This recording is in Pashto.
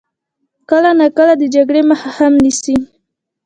کله ناکله د جګړې مخه هم نیسي.